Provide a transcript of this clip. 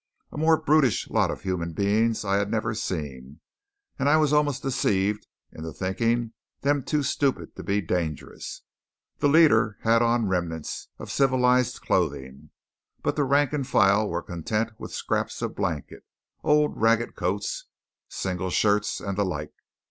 A more brutish lot of human beings I had never seen; and I was almost deceived into thinking them too stupid to be dangerous. The leaders had on remnants of civilized clothing, but the rank and file were content with scraps of blanket, old ragged coats, single shirts, and the like.